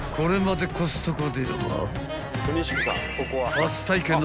［初体験の］